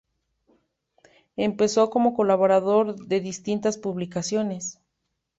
Empezó como colaborador de distintas publicaciones.